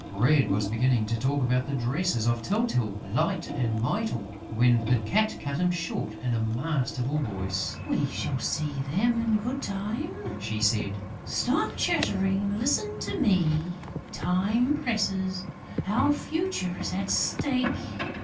Bread was beginning to talk about the dresses of Tyltyl, Light and Mytyl, when the Cat cut him short in a masterful voice: "We shall see them in good time," she said. "Stop chattering, listen to me, time presses: our future is at stake...."